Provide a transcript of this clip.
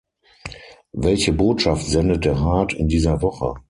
Welche Botschaft sendet der Rat in dieser Woche?